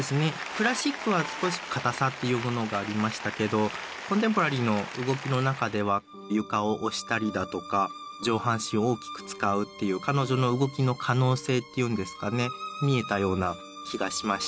クラシックは少しかたさっていうものがありましたけどコンテンポラリーの動きの中では床を押したりだとか上半身を大きく使うっていう彼女の動きの可能性っていうんですかね見えたような気がしました。